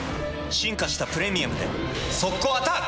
進化した「プレミアム」で速攻アタック！